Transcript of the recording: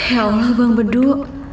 ya allah bang bedu